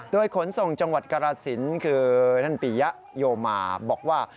โดยขนส่งจังหวัดกรสินคือท่านปียะโยมาบอกว่า